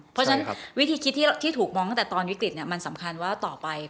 เพราะฉะนั้นวิธีคิดที่ถูกมองตั้งแต่ตอนวิกฤตมันสำคัญว่าต่อไป